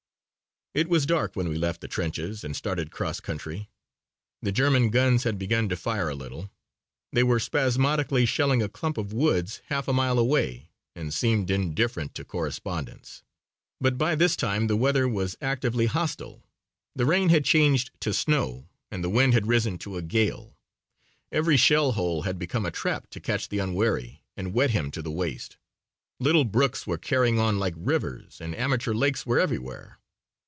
It was dark when we left the trenches and started cross country. The German guns had begun to fire a little. They were spasmodically shelling a clump of woods half a mile away and seemed indifferent to correspondents. But by this time the weather was actively hostile. The rain had changed to snow and the wind had risen to a gale. Every shell hole had become a trap to catch the unwary and wet him to the waist. Little brooks were carrying on like rivers and amateur lakes were everywhere.